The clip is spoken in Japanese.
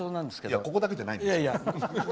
いやここだけじゃないです。